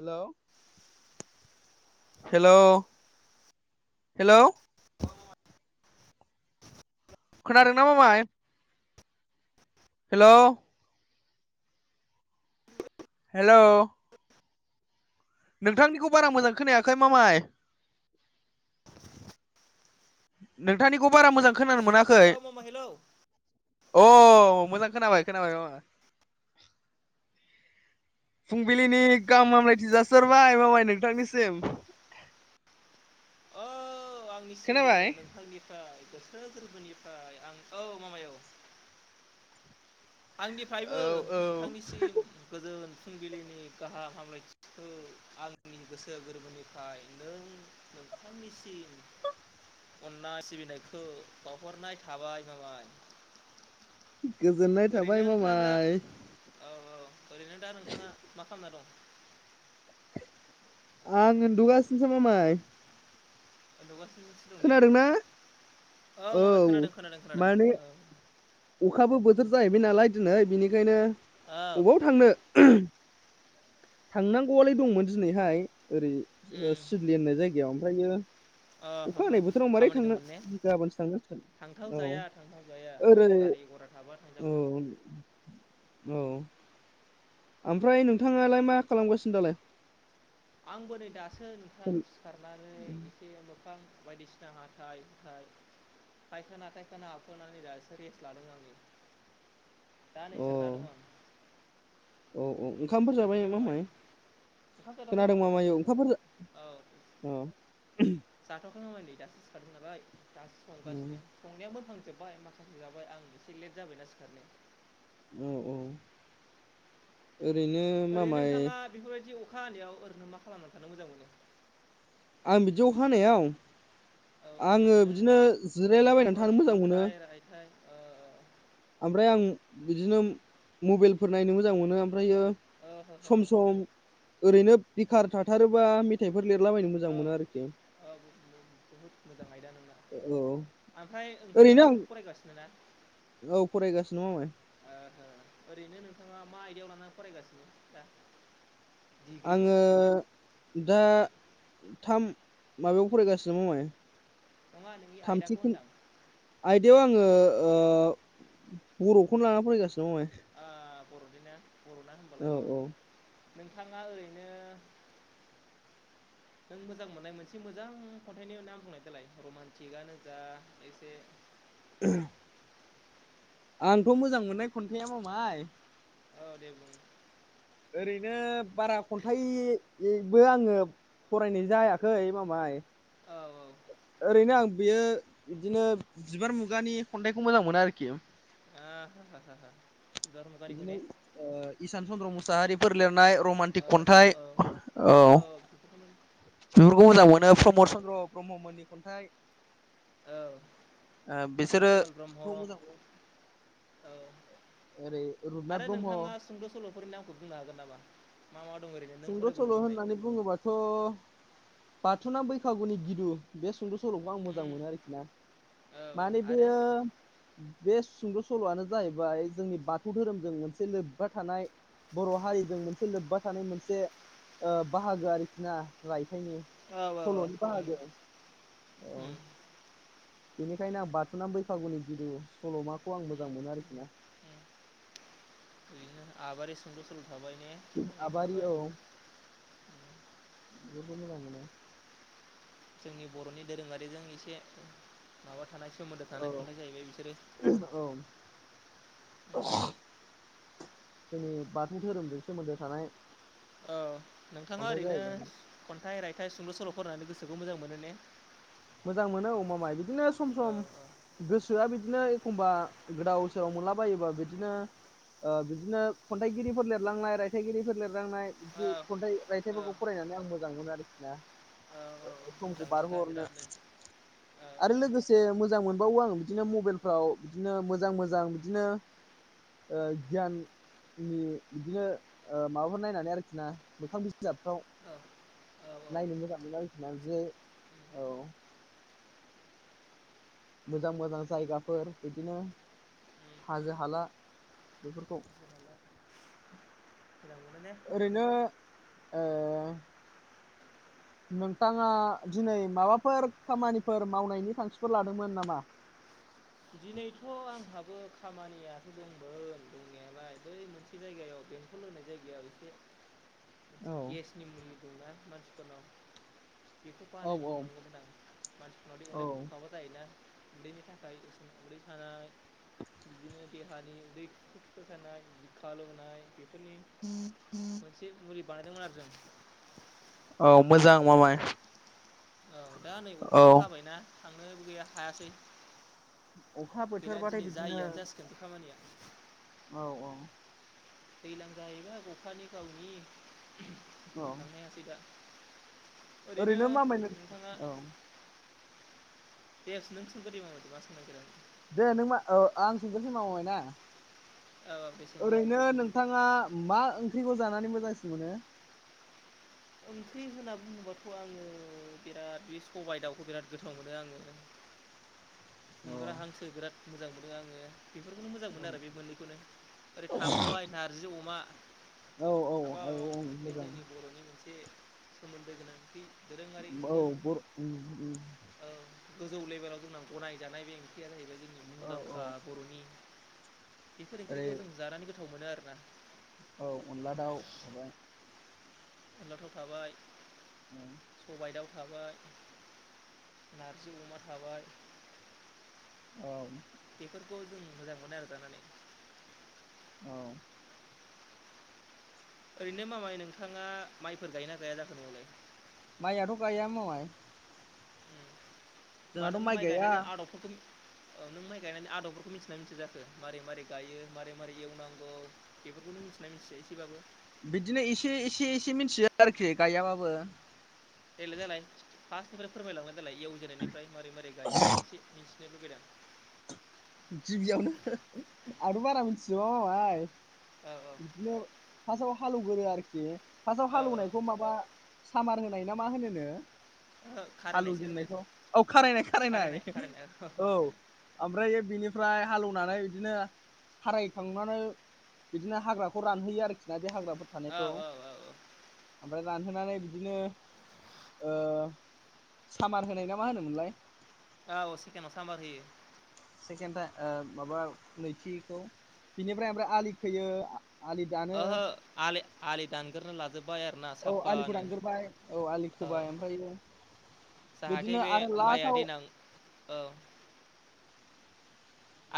हेल' हेल' हेल' [inaudible] खोनादोंना मामाय हेल' हेल' नोंथांनिखौ बारा मोजां खोनायाखै मामाय नोंथांनिखौ बारा मोजां खोनानो मोनाखै औ मामा हेलौ अ मोजां खोनाबाय खोनाबाय फुंबिलिनि गाहाम हामलायथि जासिहरबाय मामाय नोंथांनिसिम [inaudible] औ आंनिसिमबो खोनाबाय नोंथांनिफ्राय गोसो गोरबोनिफ्राय आं औ माबायाव आंनिफ्रायबो औ औ नोंथांनिसिम गोजोन फुंबिलिनि गाहाम हामलायथिखौ आं आंनि गोसो गोरबोनिफ्राय नों नोंथांनिसिम अननाय सिबिनायखौ बावहरनाय थाबाय माबाय गोजोननाय थाबाय माबाय औ औ ओरैनो दा नोंथाङा मा खालामना दं आं उन दुगासिनोसै म माय लोगो खोनादोंना औ मबाइ खोनादों खोनादों खोनादों माने औ अखाबो बोथोर जाहैबाय नालाय दिनै बिनिखायनो औ बबयाव थांनो थांनांगौआलाय दंमोन दिनैहाय ओरै उम सिदलि होननाय जायगायाव [inaudible] अ अखा हानाय बोथोराव मारै खामानि थांनो दंमोन ने गाबोनसो थांनांसिगोन थांथाव औ जाया थांथाव जाया ओरै गारि दै गरा थाबा औ थांजागौमोन औ ओमफ्राय नोंथाङालाय मा खालामगासिनो दालाय आंबो नै दासो नोंथां अ आं सिखारनानै एसे म बिफां बायदिसिना हाथाय हुथाय खायखाना खायखाना जासो रेस लादों आङो औ दानसोरनाङा औ ओंखामफोर जाबाय मा माय ओंखाम जाथ'वाखै खोनादों जाथ'वाखै मामाय जाथ'वाखै ओंखाफोर औ अ माख नामोन दै दासो सिखारदों नालाय दासो औ संगासिनो संनायाबो थां जोब्बाय माखासे जाबाय आं एसे लेट जाबायना सिखारनो औ औ ओरैनो ओरैनो मामाय नोंथाङा बेफोरबायदि अखा हानायाव ओरैनो मा खालामनानै थानो मोजां मोनो आं बिदि अखा हानायाव औ आङो ओरैनो बिदिनो जिरायलाबायनानै लेखाफोर थानो मोजां मोनो खन्थाइ रायथाइ ओ ओमफ्राय आं बिदिनो मबाइलफोर नायनो मोजां मोनोम ओमफ्रायो ओ हो हो सम हो हो सम ओरैनो बिखार थाथारोबा मेथाइ बेफोर लिरलाबायनो मोजां औ मोनो आरोखि औ बहुद मोजां आयदा नोंना औ ओमफ्राय ओरैनो नोंथाङाथ' आं दा फरायगासिनो ना औ फरायगासिनो नङामाय ओ ओरैनो नोंथाङा मा आयडायाव लानानै फरायगासिनो दा डिग्रिखौ आङो दा थाम माबायाव फरायगासिनोाम माय नङा नोंनि आयदाखौ थामथिख होनदां आयदायाव आङो बर'खौनो लाना फरायगासिनो दाय बर' बर' औ औ नोंथांआ ओरैनो [inaudible] नों मोजां मोननाय मोनसे मोजां खन्थाइनि नाम बुंनाय देलाय रमान्टिकआनो जा एसे [inaudible] आंथ' मोजां मोननाया खन्थाइआ‌ मामाय औ दे बुं ओरैनो बारा खन्थाइबो आङो फरायनाय जायाखै मामाय औ औ ओरैनो आं बेयो इदिनो बिबार मुगानि खन्थाइखौ मोजां मोनो आरोखि ओ हो हो हो हो इदिनो ओ इसान चन्द्र मुसाहारिफोर लेरनाय औ रमान्टिक खन्थाइ औ औ बेफोरखौ मोजां ओरैनो मोनो ओमफ्राय प्रमद चन्द्र ब्रह्ममोननि खन्थाइ औ ओ कमल बिसोरो कुमार ब्रह्म बेखौ मोजां मोनो औ ओरै रुपनाथ आरो ब्रह्म नोंथांआ सुंद' सल'फोरनि नामखौ बुंनो हागोन नामा? मा मा दं ओरैनो नों सुंद' फरायबोनो सल' मोननाय होननानै बुङोबाथ' बाथुनाम बैखागुनि गिदु बे सुंद' सल'खौ आं मोजां उम मोनो आरोखि ना औ माने आरो बेयो बे सुंद' सल'आनो जाहयैबाय जोंनि बाथौ धोरोमजों मोनसे लोब्बा थानाय बर' हारिजों मोनसे लोब्बा थानाय मोनसे ओ बाहागो आरोखि ना राइथ खन्थाइनि औ औ सल'नि उम बाहागो औ बिनिखायनो आं बाथुनाम बैखागुनि गिदु सल'माखौ आं मोजां मोनो आरोखि ना उम आबारि सुंद' सल' थाबाय ने आबारि औ इथाबाय उम बेफोरखौ मोजां मोनो जोंनि बर'नि दोरोंआरिजों एसे माबा थानाय सोमोन्दो औ थानाय खन्थाइ जाहैबाय बिसोरो औ उम जोंनि बाथौ धोरोमजों सोमोन्दो थानाय औ नोंथांआ खन्थाइ ओरैनो जाहैबाय खन्थाइ राय थाइ सुंद' सल' फरायनानै गोसोखौ मोजां मोनो ने? मोजां मोनो औ मामाय बिदिनो सम औ सम गोसोआ बिदि बिदिनो एखमबा गोदाव सोराव मोनलाबायोबा बिदिनो ओ बिदिनो खन्थाइगिरिफोर लेरलांनाय रायथाइगिरिफोर लेरलांनाय इदि खन्थाइ औ रायथाइफोरखौ फरायनानै माने आं मोजां मोनो आरोखि ना औ मोजां समखौ खोथा बारहोहरनो बिरादनो औ आरो लोगोसे मोजां मोनबावो आङो बिदिनो मबेलफ्राव बिदिनो मोजां मोजां बिदिनो ओ गियान नि बिदिनो ओ माबाफोर नायनानै आरोखि ना मोखां बिजाबफ्राव औ औ नायनो मोजां मोनो आरोखि ना बिदिनो मोजां मोजां जायगाफोर बिदिनो हाजो हाला बेफोरखौ मोजां मोनो ने ओरैनो ओ नोंथांआ दिनै माबाफोर खामानिफोर मावनायनि थांखिफोर लादोंमोन नामा? [inaudible] दिनैथ' आंहाबो खामानियाथ' दंमोन दंनायालाय बै मोनसे जायगाआव बेंटल होननाय जायगायाव एसे [inaudible] मोनसे गेसनि मुलि दं ना मानसिफोरनाव बेखौ औ बानायनो औ थांनांगौमोन आं मानसिफोरनावदि औ अनेख माबा जायोना उदैनि थाखाय उदै सानाय बिदिनो देहानि उदै थुखो थुखो सानाय बिखा आलौनाय बेफोरनि मोनसे मुलि बानायदोंमोन आरो जों औ मोजां मामाय औ दा नै औ अखाबो हाबायना थांनोबो गैया हायासै अखा गैला बोथोरबाथाय दिनै बिदिनो जायियानो जासिगोन बे खामानिया औ औ दैलां जाहैबाय अखानि गावनि औ थांनो हायासै दा ओरैनो मामायनो नोंथाङा औ दे नों सोंगोर दे मामाइ दे मा सोंनायदो नों दे नों मा आं सोंगोरनिसै होनबा मामाय ना औ दे सोंदो ओरैनो नोंथाङा मा ओंख्रिखौ जानानै मोजांसिन मोनो ओंख्रि होनना बुङोबाथ आङो बिराद बे सबाइ दाउखौ बिराद गोथाव मोनो आङो [inaudible] ओमफ्राय हांसो बिराद मोजां मोनो आङो बेफोरखौनो मोजां मोनो आरो बे मोननैखौनो ओरै थाबावबाय नारजि अमा औ औ हाबा औ औ बे मोजां जोंनि बर'नि मोनसे सोमोन्दो गोनां ओंख्रि दोरोङारि ओंख्रि औ औ गोजौ लेभेलाव जोंना गनायजानाय बे ओंख्रिया जाहैबाय जोंनि औ औ मुंदांखा बर'नि बेफोर ओरै ओंख्रिखौ जों जानानै गोथाव मोनो आर ना औ अनला दाउ मोनबाय अनलाथाव थाबाय सबाइ दाव थाबाय नारजि अमा थाबाय औ बेफोरखौ जों मोजां मोनो आरो जानानै औ ओरैनो मामाय नोंथाङा माइफोर गाय ना गैया जाखो नोंलाय मायाथ गाया मामाय मानो जोंहाथ' माइ गाया गायनाय आदाबफोरखौ औ नों माइ गायनानै आदबफोरखौ मिथिना मिथि जाखो मारै मारै गायो मारै मारै एवनांगौ बेफोरखौ नों मिथिनाय मिथियो एसेबाबो बिदिनो एसे एसे एसे मिथियो आरोखि गायाबाबो देेल्लाय जालाय फार्सनिफ्राय फोरमायलांलानाय देलाय एवजेननायनिफ्राय मारै मारै गायो एसे [unintelligible] गिबियावनो आरो बारा मिथि जोबा मामाय औ बिदिनो फाज हालुगोरोयो आरोखि फार्स्टआव औ हालेवनायखौ माबा सामार होनाय ना मा होनोनो ओहो खारायनायसो होनो हालवजेननायखौ औ खारायनाय खारायनाय औ ओमफ्राय निफ्राय हालेनानै बिदिनो खारायखांनानै बिदिनो हाग्राखौ रानहोयो आरोखि ना बे हाग्राफोर औ थानायखौ औ ओमफ्राय रानहोनानै बि बिदिनो ओ सामार होनाय ना मा होनोमोनलाय औ चकेनाव सामार होयो सेकेणड माबा नैथिखौ बिनिफ्राय ओमफ्राय आलि खोयो आलि दानो आहो आल आलि दानग्रोन लाजोब बाय आरो ना औ आलिखौ साफानो दानग्रोबाय आलि औ खोबाय ओमफ्रायो जाहाथे बिदिनो बे आरो माइआ लास्टाव देनां औ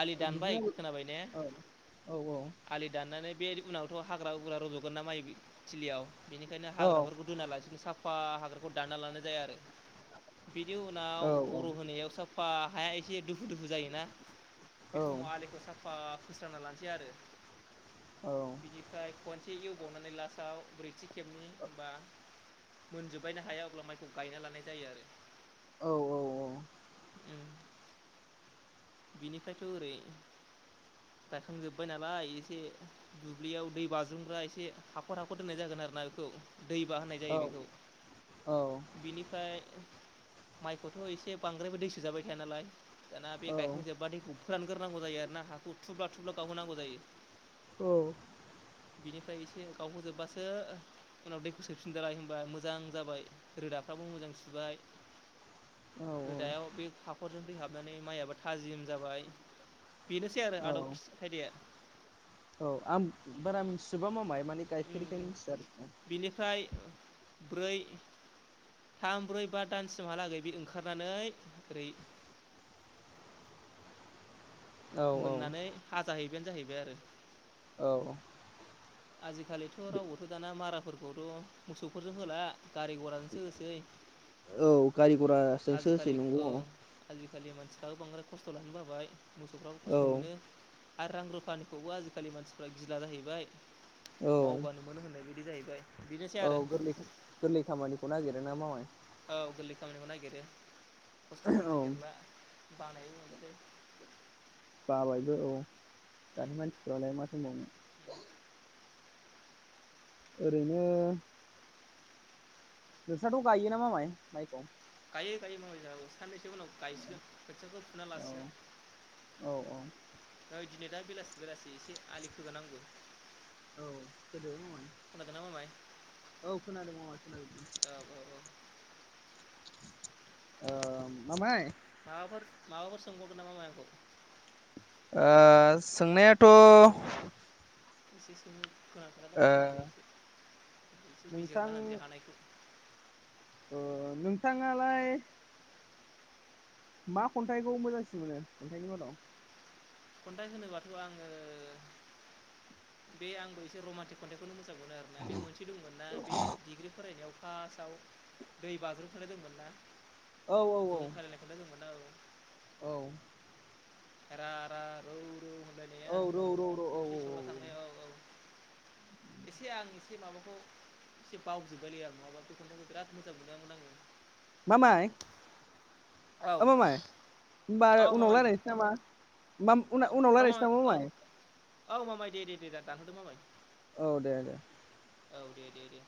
आलि दानबाय बिदिनो खोनाबाय ने औ औ आलि दाननानै बे उनावथ हाग्रा उग्रा रुबबोगोन ना माइ थिलियाव बेनिखायनो औ हाग्राफोरखौ दोना लासिनो साफा हाग्राखौ दाना लानाय जाया आरो बिनि औ उनाव बर‌‌ होनायाव साफा हाया एसे दोखो दोखो जायोना बे औ समाव आलिखौ साफा फोस्रांना लानोसै आरो औ बिनिफ्राय खनसे इसे एउबावनानै लास्टाव ब्रैथि खेबनि होम बा मोनजोबबायनो हाया अब्ला माइखौ गायना लानाय जायो आरो औ औ औ उम बिनिफ्रायथ ओरै गायखांजोबबाय नालाय एसे दुब्लियाव दै बाज्रुमग्रा एसे हाखर हाखर दोननाय जागोन आरो ना बेखौ दैबा होनाय जायो बेखौ औ बिनिफ्राय माइखौथ एसे बांद्रायबो दैसो जाबाय थाया नालाय दाना बे औ औ गायखांजोबबा दैखौ फोरानग्रोनांगौ जायो आरो ना हाखौ थुब्ला थुब्ला गावहोनांगौ जायो औ बिनिफ्राय एसे गावहजोबबासो उनाव दैखौ सोफिनजालाय होनबा मोजां जाबाय रोदाफ्राबो मोजां सुबाय [inaudible] रोदायाव बे हाखरजों दै हाबनानै माइ आबाद थाजिम जाबाय बेनोसै आरो औ आदब खि खायदाया औ आं बारा मिथिसोबा मामाय माने गायफेरखायनो मिथिया आरोखि बिनिफ्राय ब्रै थाम ब्रै बा दानसिमहालागै बे ओंखारनानै ओरै [inaudible] औ मोननानै हाजाहैबायानो जाहैबाय आरो औ आजिखालिथ' रावबोथ' दाना माराफोरखौथ' मोसौफोरजों होला गारि घराजोंसो होसै औ गारि घराजोंसो आजिखालि होसै नंगौ औ आजिखालि मानसिफ्राबो बांद्राय खस्थ' लानो बाबाय मोसौफ्राबो खस्थ' औ मोनो आरो रां रुफानिखौबो आजिखालि मानसिफ्रा गिला जाहैबाय औ मावबानो मोन होननाय बिदि जाहैबाय बेनोसै औ आरो गोरलै गोरलै खामानिखौ नागिरोोना मावाय औ गोरलै खामानिखौ नागिरो खस्थ'खौ औ नागिरला बानाय मोनसै बाबायबो औ दानि मानसिफ्रालाय मा दोंबावनो ओरैनो दस थ गायो न मा माइ माइखौ आायो गाय म साननैसो उनाव गायसिगोन खोथियाखौ फुा औ औ लासिगोन दिनै दा बेलासि बेलासि एसे आलि खोगोनांगौ औ गोदो मा मामाय औ खोनादों म औ आ माबाय माबाफोर माबाफोर सोंबावगोन नामा माइखौ सोंनायाथ' दे एसे सम फोनां खार दं सोंलैस एसे बिजिरना होननानै ज हानायखौ अ नोंथाङालाय मा खन्थाइखौ मोजांसिन मोनो खन्थाइनि मादाव खन्थाइ होनोबाथ' आङो बे आंबो एसे रमान्टिक खन्थाइखौ नुदों फो जागौमोन आरोना बे मोनसे दंमोन ना बे डिग्रि फरायनायाव फास्स्टाव दै बाज्रुम खोना दंमोन ना औ औ औ दं खालायनायखौोननो दंमोन औ औ र र रौ औ र फलथि सराव थांनाय औ औ एसे आं एसे माबाखौ एसे बावजोबलि आरो नङाबा दखानफोरखौ बिराद मोजां मोनामोन आङो मामाय औ ओ मामाय होमबा औ उनाव मामाय बुं रायजलायनोसै औ नामा उनाव र' रायज्लायसै मामाय नामा म औ माय औ मामाय दे दे दे दा दानहरदोंो मामाय औ दे दे औ दे दे दे